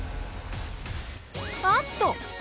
あっと！